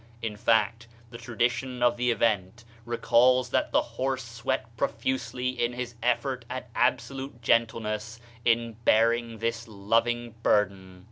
In fact the tradition of the event recalls that the horse sweat profusely in his effort at absolute gentleness in bearing this loving burden.